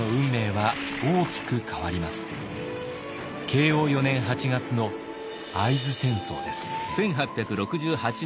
慶応４年８月の会津戦争です。